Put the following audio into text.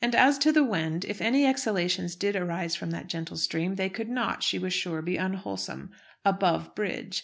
As to the Wend, if any exhalations did arise from that gentle stream, they could not, she was sure, be unwholesome above bridge.